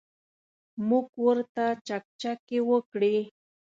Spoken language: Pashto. موږ ورته چکچکې وکړې.